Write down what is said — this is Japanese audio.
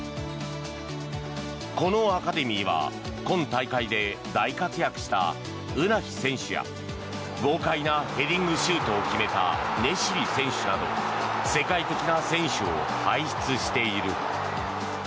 このアカデミーは今大会で大活躍したウナヒ選手や豪快なヘディングシュートを決めたネシリ選手など世界的な選手を輩出している。